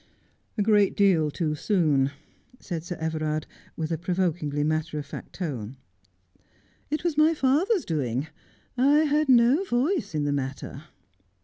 ' A great deal too soon,' said Sir Everard, with a provokingly matter of fact tone. ' It was my father's doing. I had no voiee in the matter.'